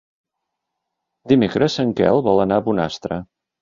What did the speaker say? Dimecres en Quel vol anar a Bonastre.